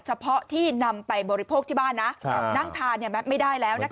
เฉพาะที่นำไปบริโภคที่บ้านนะนั่งทานไม่ได้แล้วนะคะ